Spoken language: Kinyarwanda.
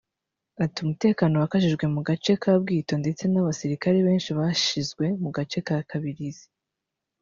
Ati “ Umutekano wakajijwe mu gace ka Bwito ndetse n’abasirikare benshi bashyizwe mu gace ka Kibirizi